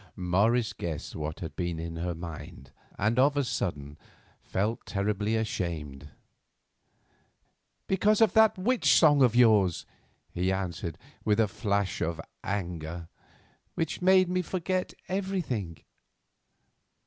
Morris guessed what had been in her mind, and of a sudden felt terribly ashamed. "Because of that witch song of yours," he answered, with a flash of anger, "which made me forget everything."